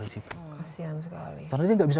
di situ karena dia tidak bisa